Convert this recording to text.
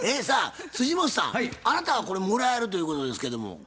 さあ本さんあなたはこれもらえるということですけども。